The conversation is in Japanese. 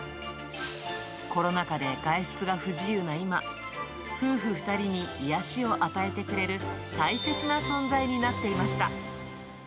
コロナ禍で外出が不自由な今、夫婦２人に癒やしを与えてくれる大切な存在になっていました。